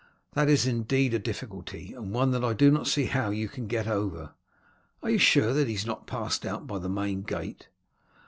That is indeed a difficulty, and one that I do not see how you can get over. Are you sure that he has not passed out by the main gate?"